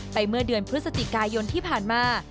เมื่อเดือนพฤศจิกายนที่ผ่านมา